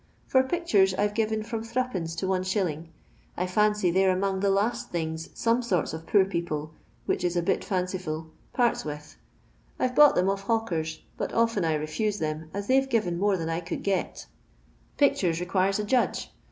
For pictures I've given from 3c^. to Is. I foncy they 're among the last things some sorts of pjor people, which is a bit fancijful, parts with. I 'tc bought them of bawkers, but often I refuse them, as they're giren more th.in I could get Pictures requires a judge.